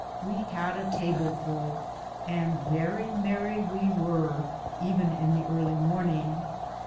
We had a tableful, and very merry we were, even in the early morning.